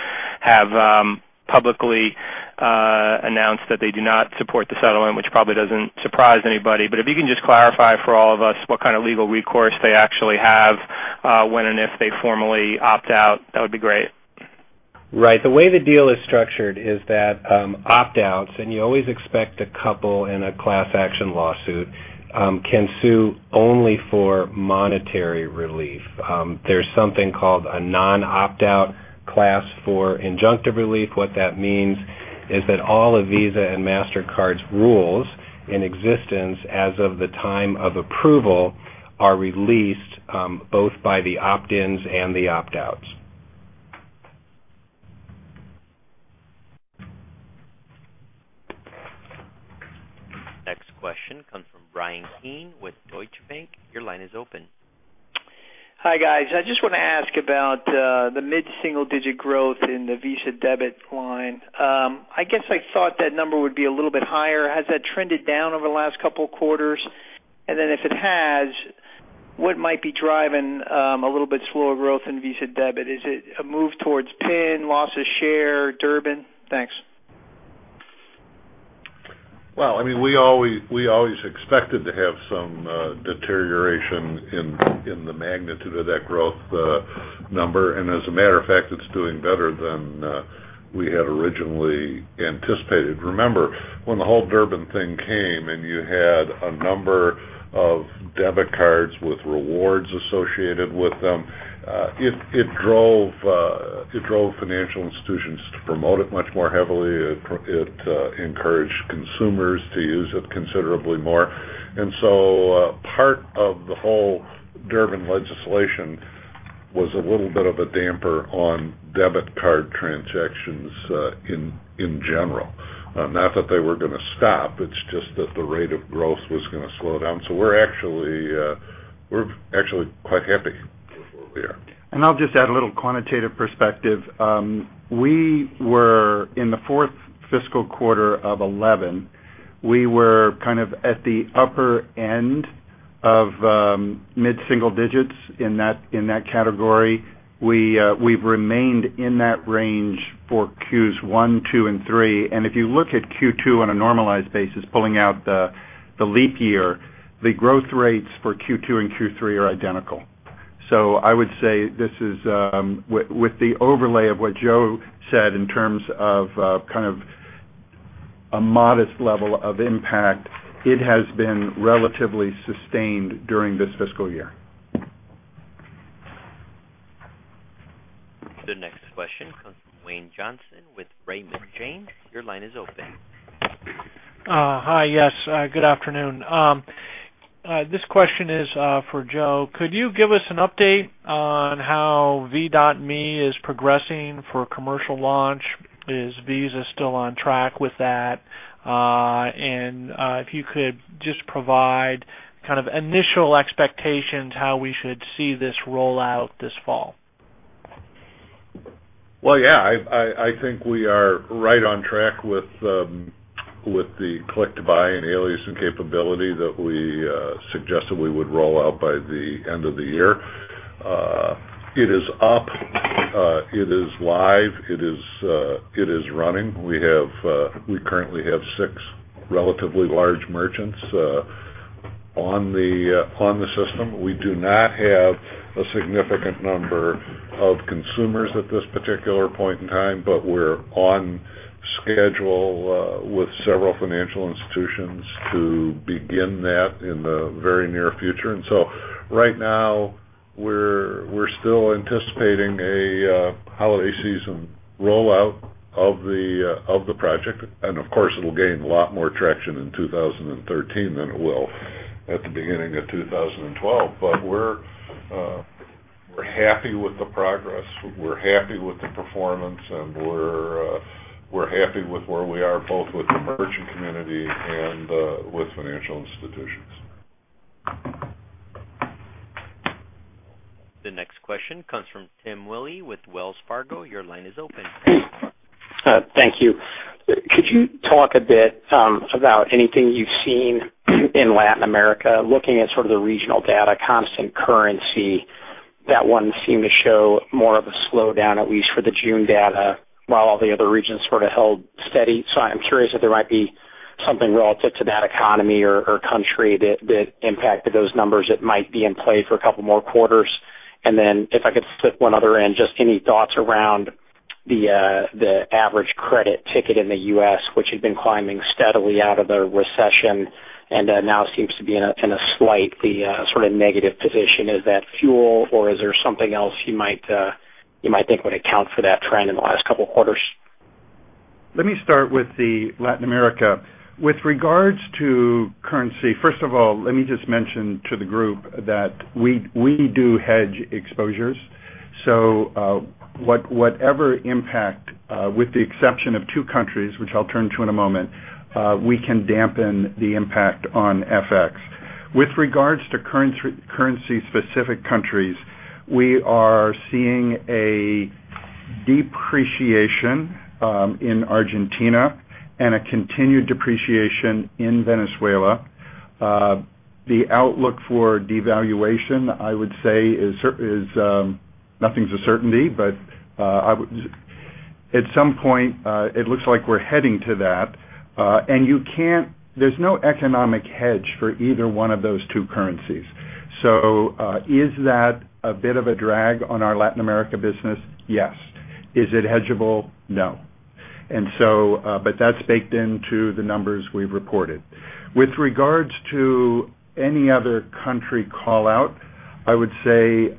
have publicly announced that they do not support the settlement, which probably doesn't surprise anybody. If you can just clarify for all of us what kind of legal recourse they actually have when and if they formally opt out, that would be great. Right. The way the deal is structured is that opt-outs, you always expect a couple in a class action lawsuit, can sue only for monetary relief. There's something called a non-opt-out class for injunctive relief. What that means is that all of Visa and Mastercard's rules in existence as of the time of approval are released both by the opt-ins and the opt-outs. Next question comes from Bryan Keane with Deutsche Bank. Your line is open. Hi, guys. I just want to ask about the mid-single-digit growth in the Visa Debit line. I guess I thought that number would be a little bit higher. Has that trended down over the last couple of quarters? If it has, what might be driving a little bit slower growth in Visa Debit? Is it a move towards PIN, loss of share, Durbin? Thanks. Well, we always expected to have some deterioration in the magnitude of that growth number. As a matter of fact, it's doing better than we had originally anticipated. Remember when the whole Durbin thing came and you had a number of debit cards with rewards associated with them, it drove financial institutions to promote it much more heavily. It encouraged consumers to use it considerably more. Part of the whole Durbin Amendment was a little bit of a damper on debit card transactions in general. Not that they were going to stop, it's just that the rate of growth was going to slow down. We're actually quite happy with where we are. I'll just add a little quantitative perspective. In the fourth fiscal quarter of 2011, we were at the upper end of mid-single digits in that category. We've remained in that range for Qs 1, 2, and 3. If you look at Q2 on a normalized basis, pulling out the leap year, the growth rates for Q2 and Q3 are identical. I would say with the overlay of what Joe said in terms of a modest level of impact, it has been relatively sustained during this fiscal year. The next question comes from Wayne Johnson with Raymond James. Your line is open. Hi. Yes, good afternoon. This question is for Joe. Could you give us an update on how V.me is progressing for commercial launch? Is Visa still on track with that? If you could just provide initial expectations how we should see this roll out this fall. Well, yeah, I think we are right on track with the click to buy and aliasing capability that we suggested we would roll out by the end of the year. It is up, it is live, it is running. We currently have six relatively large merchants on the system. We do not have a significant number of consumers at this particular point in time, but we're on schedule with several financial institutions to begin that in the very near future. Right now, we're still anticipating a holiday season rollout of the project. Of course, it'll gain a lot more traction in 2013 than it will at the beginning of 2012. We're happy with the progress, we're happy with the performance, and we're happy with where we are, both with the merchant community and with financial institutions. The next question comes from Tim Willi with Wells Fargo. Your line is open. Thank you. Could you talk a bit about anything you've seen in Latin America, looking at the regional data, constant currency? That one seemed to show more of a slowdown, at least for the June data, while all the other regions held steady. I'm curious if there might be something relative to that economy or country that impacted those numbers that might be in play for a couple more quarters. If I could slip one other in, just any thoughts around the average credit ticket in the U.S., which had been climbing steadily out of the recession and now seems to be in a slightly negative position. Is that fuel or is there something else you might think would account for that trend in the last couple of quarters? Let me start with Latin America. With regards to currency, first of all, let me just mention to the group that we do hedge exposures. Whatever impact with the exception of two countries, which I'll turn to in a moment, we can dampen the impact on FX. With regards to currency-specific countries, we are seeing a depreciation in Argentina and a continued depreciation in Venezuela. The outlook for devaluation, I would say nothing's a certainty, but at some point it looks like we're heading to that. There's no economic hedge for either one of those two currencies. Is that a bit of a drag on our Latin America business? Yes. Is it hedgeable? No. That's baked into the numbers we've reported. With regards to any other country call-out, I would say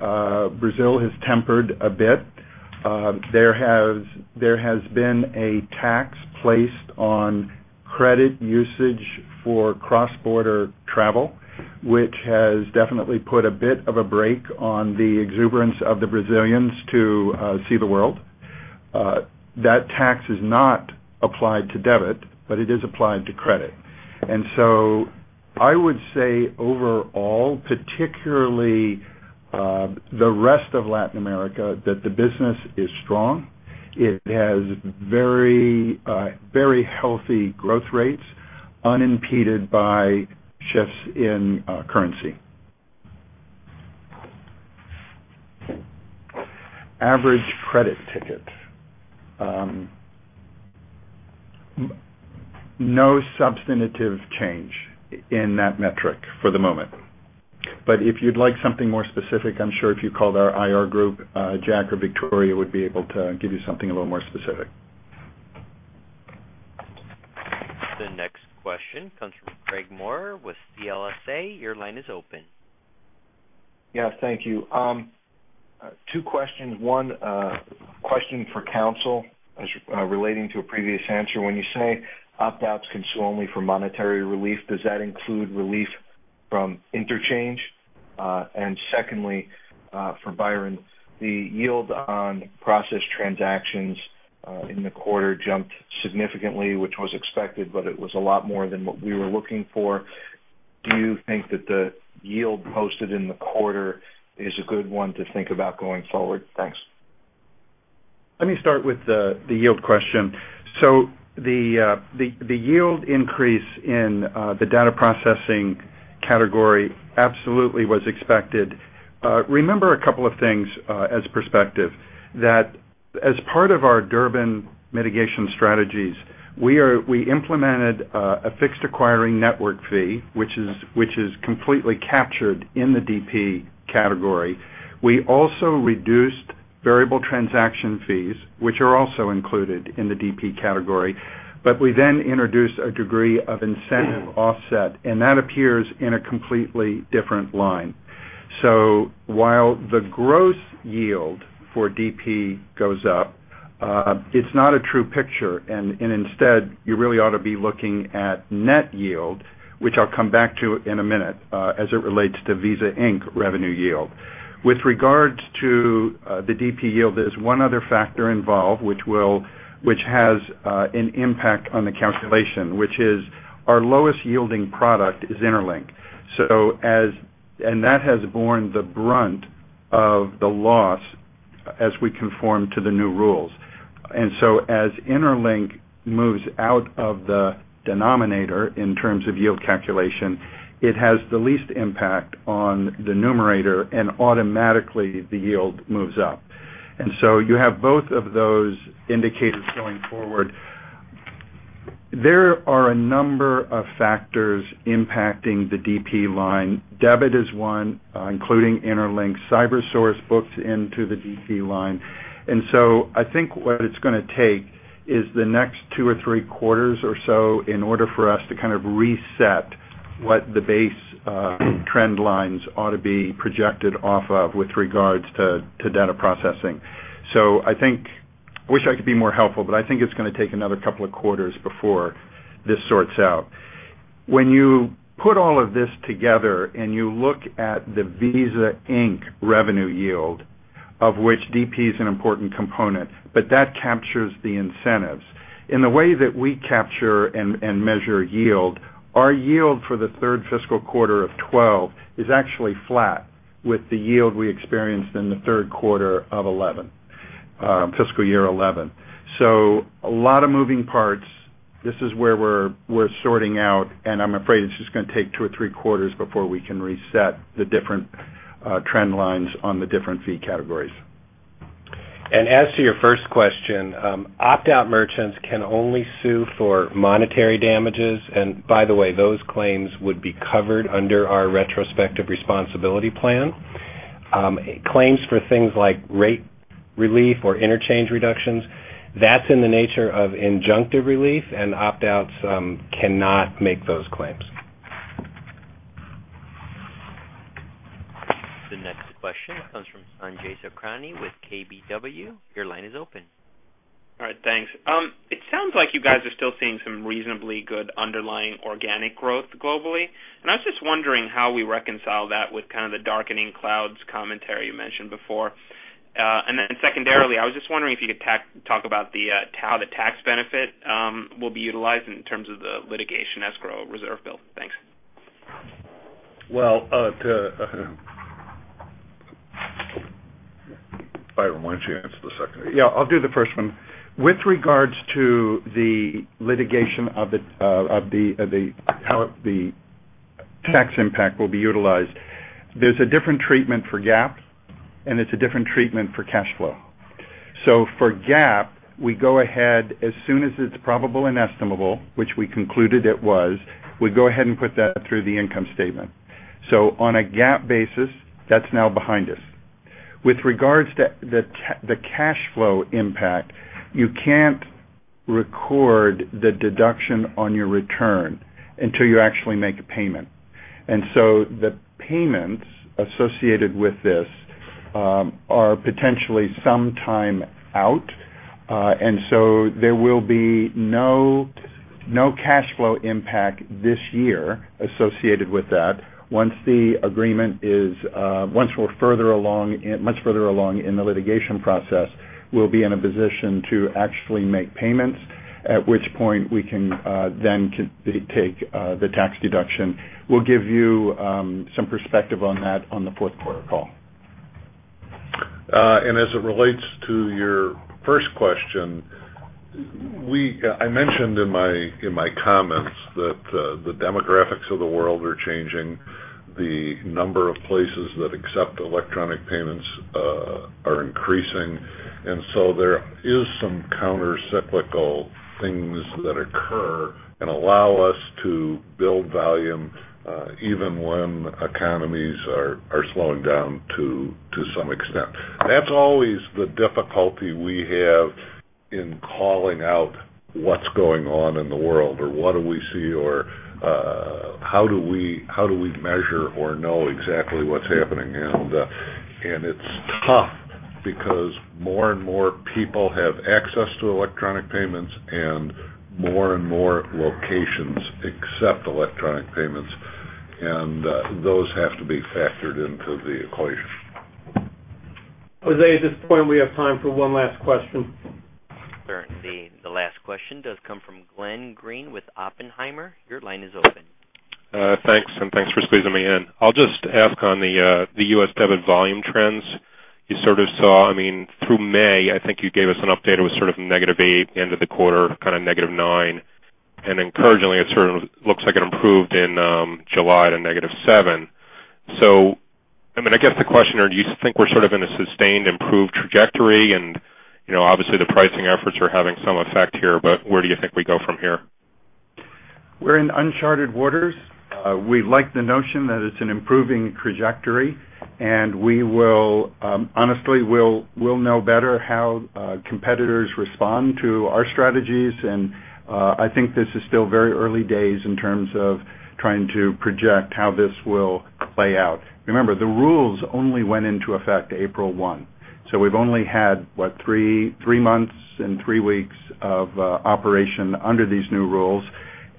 Brazil has tempered a bit. There has been a tax placed on credit usage for cross-border travel, which has definitely put a bit of a brake on the exuberance of the Brazilians to see the world. That tax is not applied to debit, but it is applied to credit. I would say overall, particularly the rest of Latin America, that the business is strong. It has very healthy growth rates unimpeded by shifts in currency. Average credit ticket. No substantive change in that metric for the moment. If you'd like something more specific, I'm sure if you called our IR group, Jack or Victoria would be able to give you something a little more specific. The next question comes from Craig Maurer with CLSA. Your line is open. Yeah. Thank you. Two questions. One question for counsel relating to a previous answer. When you say opt-outs can sue only for monetary relief, does that include relief from interchange? Secondly, for Byron, the yield on processed transactions in the quarter jumped significantly, which was expected, but it was a lot more than what we were looking for. Do you think that the yield posted in the quarter is a good one to think about going forward? Thanks. Let me start with the yield question. The yield increase in the data processing category absolutely was expected. Remember a couple of things as perspective, that as part of our Durbin mitigation strategies, we implemented a Fixed Acquirer Network Fee, which is completely captured in the DP category. We also reduced variable transaction fees, which are also included in the DP category. We then introduced a degree of incentive offset, and that appears in a completely different line. While the gross yield for DP goes up, it's not a true picture. Instead, you really ought to be looking at net yield, which I'll come back to in a minute as it relates to Visa Inc. revenue yield. With regards to the DP yield, there's one other factor involved, which has an impact on the calculation, which is our lowest yielding product is Interlink. That has borne the brunt of the loss as we conform to the new rules. As Interlink moves out of the denominator in terms of yield calculation, it has the least impact on the numerator, and automatically the yield moves up. You have both of those indicators going forward. There are a number of factors impacting the DP line. Debit is one, including Interlink, CyberSource books into the DP line. I think what it's going to take is the next two or three quarters or so in order for us to kind of reset what the base trend lines ought to be projected off of with regards to data processing. I wish I could be more helpful, but I think it's going to take another couple of quarters before this sorts out. When you put all of this together and you look at the Visa Inc. revenue yield, of which DP is an important component, but that captures the incentives. In the way that we capture and measure yield, our yield for the third fiscal quarter of 2012 is actually flat with the yield we experienced in the third quarter of fiscal year 2011. A lot of moving parts. This is where we're sorting out, and I'm afraid it's just going to take two or three quarters before we can reset the different trend lines on the different fee categories. As to your first question, opt-out merchants can only sue for monetary damages. By the way, those claims would be covered under our Retrospective Responsibility Plan. Claims for things like rate relief or interchange reductions, that's in the nature of injunctive relief and opt-outs cannot make those claims. The next question comes from Sanjay Sakhrani with KBW. Your line is open. All right. Thanks. It sounds like you guys are still seeing some reasonably good underlying organic growth globally. I was just wondering how we reconcile that with kind of the darkening clouds commentary you mentioned before. Then secondarily, I was just wondering if you could talk about how the tax benefit will be utilized in terms of the litigation escrow reserve build. Thanks. Byron, why don't you answer the second? Yeah, I'll do the first one. With regards to the litigation of how the tax impact will be utilized, there's a different treatment for GAAP, and it's a different treatment for cash flow. For GAAP, we go ahead as soon as it's probable and estimable, which we concluded it was, we go ahead and put that through the income statement. On a GAAP basis, that's now behind us. With regards to the cash flow impact, you can't record the deduction on your return until you actually make a payment. The payments associated with this are potentially some time out, and so there will be no cash flow impact this year associated with that. Once we're much further along in the litigation process, we'll be in a position to actually make payments, at which point we can then take the tax deduction. We'll give you some perspective on that on the fourth quarter call. As it relates to your first question, I mentioned in my comments that the demographics of the world are changing. The number of places that accept electronic payments are increasing, and so there is some countercyclical things that occur and allow us to build volume even when economies are slowing down to some extent. That's always the difficulty we have in calling out what's going on in the world, or what do we see, or how do we measure or know exactly what's happening. It's tough because more and more people have access to electronic payments, and more and more locations accept electronic payments, and those have to be factored into the equation. Joe, at this point, we have time for one last question. Certainly. The last question does come from Glenn Greene with Oppenheimer. Your line is open. Thanks. Thanks for squeezing me in. I'll just ask on the U.S. debit volume trends you sort of saw. Through May, I think you gave us an update. It was sort of -8%, end of the quarter, kind of -9%. Encouragingly, it sort of looks like it improved in July to -7%. I guess the question, do you think we're sort of in a sustained improved trajectory? Obviously, the pricing efforts are having some effect here, but where do you think we go from here? We're in uncharted waters. We like the notion that it's an improving trajectory. Honestly, we'll know better how competitors respond to our strategies. I think this is still very early days in terms of trying to project how this will play out. Remember, the rules only went into effect April 1. We've only had, what? 3 months and 3 weeks of operation under these new rules.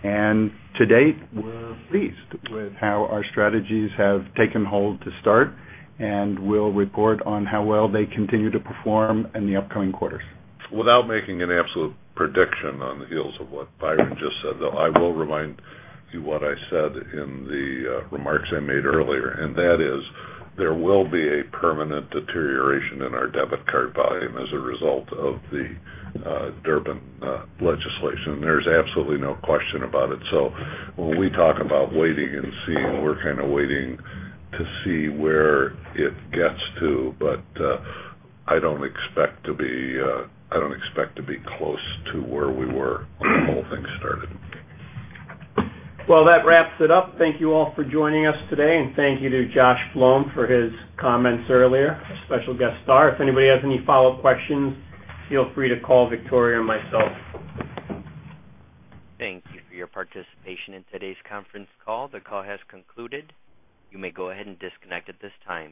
To date, we're pleased with how our strategies have taken hold to start, and we'll report on how well they continue to perform in the upcoming quarters. Without making an absolute prediction on the heels of what Byron just said, though, I will remind you what I said in the remarks I made earlier, and that is there will be a permanent deterioration in our debit card volume as a result of the Durbin Amendment. There's absolutely no question about it. When we talk about waiting and seeing, we're kind of waiting to see where it gets to. I don't expect to be close to where we were when the whole thing started. That wraps it up. Thank you all for joining us today, and thank you to Josh Floum for his comments earlier. Special guest star. If anybody has any follow-up questions, feel free to call Victoria or myself. Thank you for your participation in today's conference call. The call has concluded. You may go ahead and disconnect at this time.